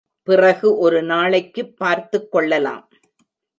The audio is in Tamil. பிறகு ஒரு நாளைக்குப் பார்த்துக்கொள்ளலாம்.